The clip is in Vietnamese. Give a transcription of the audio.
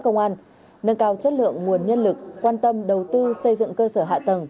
công an nâng cao chất lượng nguồn nhân lực quan tâm đầu tư xây dựng cơ sở hạ tầng